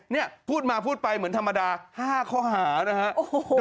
นี่พูดมาพูดไปเหมือนธรรมดา๕ข้อหานะครับ